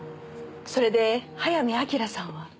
それで早見明さんは？